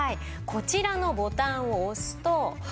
こちらのボタンを押すと。